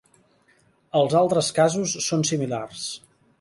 Els altres casos són similars.